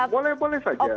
nah boleh boleh saja